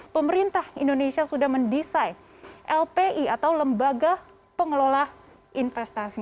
pemerintah indonesia sudah mendesain lpi atau lembaga pengelola investasi